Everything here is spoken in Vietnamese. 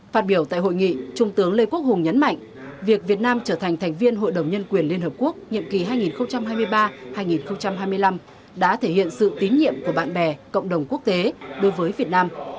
phát biểu tại hội nghị trung tướng lê quốc hùng nhấn mạnh việc việt nam trở thành thành viên hội đồng nhân quyền liên hợp quốc nhiệm kỳ hai nghìn hai mươi ba hai nghìn hai mươi năm đã thể hiện sự tín nhiệm của bạn bè cộng đồng quốc tế đối với việt nam